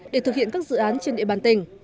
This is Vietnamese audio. để thực hiện các dự án trên địa bàn tỉnh